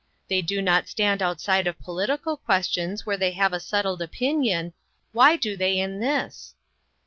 They do not. stand out side of political questions where they have a settled opinion; why do they in this?"